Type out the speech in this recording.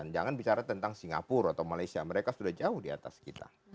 jangan bicara tentang singapura atau malaysia mereka sudah jauh di atas kita